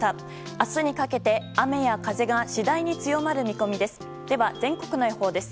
明日にかけて、雨や風が次第に強まる見込みです。